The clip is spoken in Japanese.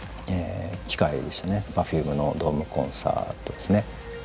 Ｐｅｒｆｕｍｅのドームコンサートですね。